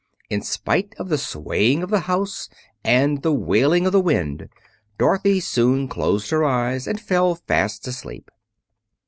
In spite of the swaying of the house and the wailing of the wind, Dorothy soon closed her eyes and fell fast asleep.